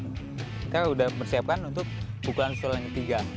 kita udah bersiapkan untuk pukulan setelah yang ketiga